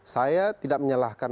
saya tidak menyalahkan